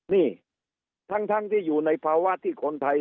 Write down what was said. นี่ทั้งที่อยู่ในภาวะที่คนไทย